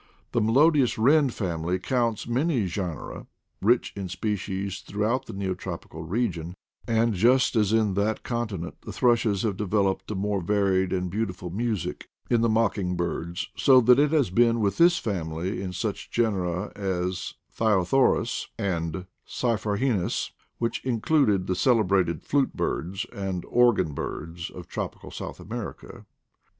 The melodious wren family counts many genera, rich in species, throughout the Neotropical region: and just as in that continent the thrushes have developed a more varied and beautiful music in the mocking birds, so it has been with this family in such genera as Thyothorus and Cyphorhinus, which include the celebrated flute birds and organ birds of tropical South America.